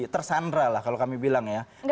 tersandra lah kalau kami bilang ya